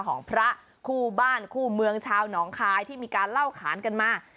ของพระคู่บ้านคู่เมืองชาวหนองคายที่มีการเล่าขานกันมา